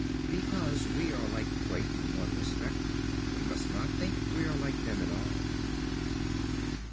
Because we are like the great in one respect we must not think we are like them in all.